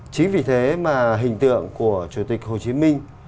chính vì thế mà hình tượng của chủ tịch hồ chí minh